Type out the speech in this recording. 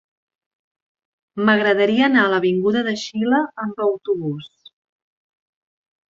M'agradaria anar a l'avinguda de Xile amb autobús.